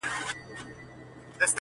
د ميني ننداره ده، د مذهب خبره نه ده.